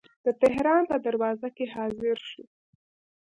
د تهران په دروازه کې حاضر شو.